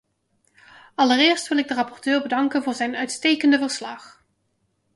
Allereerst wil ik de rapporteur bedanken voor zijn uitstekende verslag.